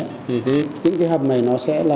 thì những cái hầm này nó sẽ là